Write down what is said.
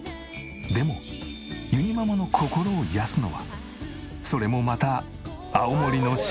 でもゆにママの心を癒やすのはそれもまた青森の自然。